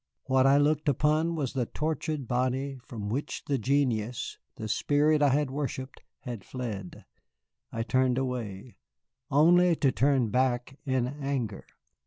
What I looked upon was the tortured body from which the genius the spirit I had worshipped had fled. I turned away, only to turn back in anger.